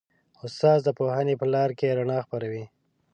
استاد د پوهنې په لاره کې رڼا خپروي.